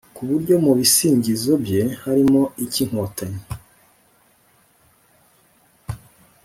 ku buryo mu bisingizo bye harimo icy'"inkotanyi